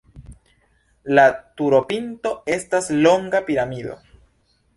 La turopinto estas longa piramido.